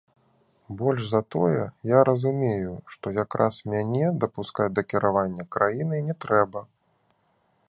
Больш за тое, я разумею, што якраз мяне дапускаць да кіравання краінай не трэба.